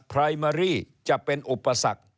ไพรเมอรี่จะเป็นอุปสรรค